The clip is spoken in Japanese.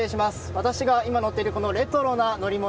私が今乗っているこのレトロな乗り物